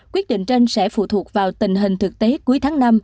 quyết định trên sẽ phụ thuộc vào tình hình thực tế cuối tháng năm